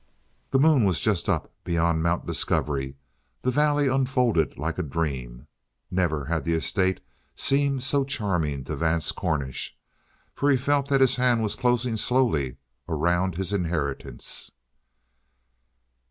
The moon was just up beyond Mount Discovery; the valley unfolded like a dream. Never had the estate seemed so charming to Vance Cornish, for he felt that his hand was closing slowly around his inheritance.